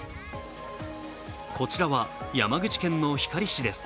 こちらは山口県の光市です。